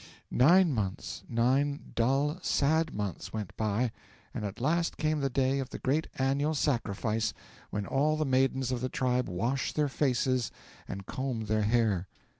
'Nine months nine dull, sad months went by, and at last came the day of the Great Annual Sacrifice, when all the maidens of the tribe wash their faces and comb their hair.